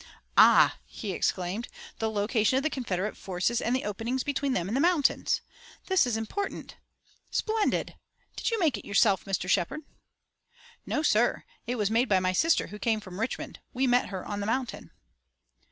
"Ah!" he exclaimed. "The location of the Confederate forces and the openings between them and the mountains! This is important! Splendid! Did you make it yourself, Mr. Shepard?" "No, sir. It was made by my sister who came from Richmond. We met her on the mountain."